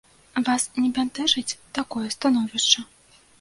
Вас не бянтэжыць такое становішча?